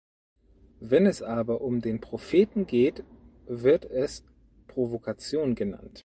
Wenn es aber um den Propheten geht, wird es Provokation genannt.